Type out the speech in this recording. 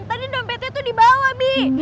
tadi dompetnya tuh di bawah bi